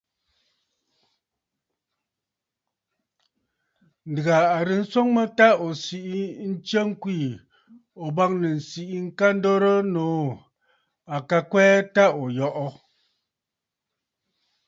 Ǹdèghà a ghɨrə nswoŋ mə ta ò siʼi nstsə ŋkweè, ̀o bâŋnə̀ ǹsiʼi ŋka dorə nòô. À ka kwɛɛ ta ò yɔʼɔ.